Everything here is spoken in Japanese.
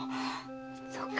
そうか。